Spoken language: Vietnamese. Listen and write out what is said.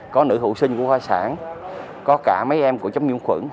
có nữ hữu sinh của khoa sản có cả mấy em của chống nhiễm khuẩn